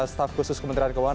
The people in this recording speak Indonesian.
staf khusus kementerian keuangan